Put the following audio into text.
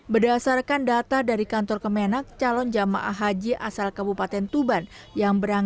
berdasarkan data dari kantor kemenak calon jamaah haji asal kabupaten tuban